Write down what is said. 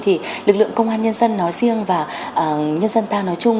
thì lực lượng công an nhân dân nói riêng và nhân dân ta nói chung